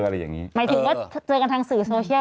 หมายถึงว่าเจอกันทางสื่อโซเชียล